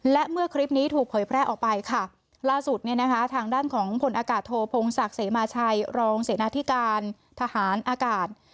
และเมื่อคลิปนี้ถูกเผยแพร่ออกไปค่ะล่าสุดเนี่ยนะคะทางด้านของผลอากาศโทพงศักดิ์เสมาชัยรองเสนาธิการทหารอากาศ